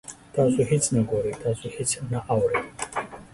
تاسو هیڅ نه ګورئ، تاسو هیڅ نه اورئ